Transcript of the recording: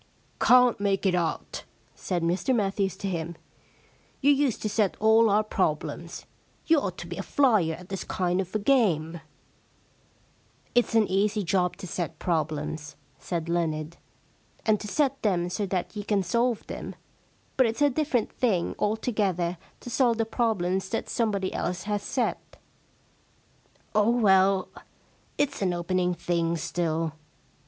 * Can't make it out,' said Mr Matthews to him. * You used to set all our problems. You ought to be a flyer at this kind of a game.' 138 The Shakespearean Problem * It's an easy job to set problems,' said Leonard, * and to set them so that you can solve them, but it's a different thing altogether to solve the problems that somebody else has set/ * Oh, well, it's an open thing still.